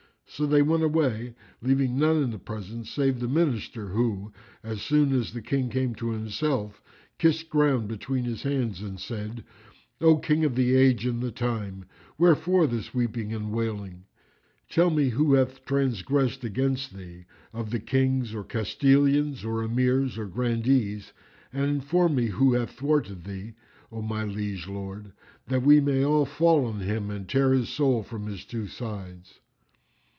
So they went away, leaving none in the presence save the Minister who, as soon as the King came to himself, kissed ground between his hands and said, "O King of the Age and the Time, wherefore this weeping and wailing? Tell me who hath transgressed against thee of the Kings or Castellans or Emirs or Grandees, and inform me who hath thwarted thee, O my liege lord, that we may all fall on him and tear his soul from his two sides."